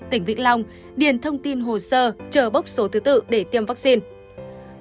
tỉnh vĩnh long điền thông tin hồ sơ chờ bốc số thứ tự để tiêm vaccine